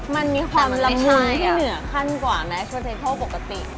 มันมีความลำมืงที่เหนือกั้นกว่าแมลค์โชเทคโท่ปกติ